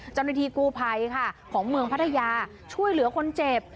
เจ้าหน้าที่กู้ภัยค่ะของเมืองพัทยาช่วยเหลือคนเจ็บ